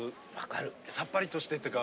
さっぱりとしてっていうか。